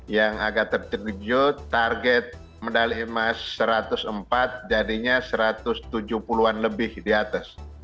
yang agak terkejut target medali emas satu ratus empat jadinya satu ratus tujuh puluh an lebih di atas